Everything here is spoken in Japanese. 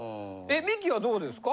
ミキはどうですか？